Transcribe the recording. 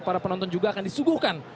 para penonton juga akan disuguhkan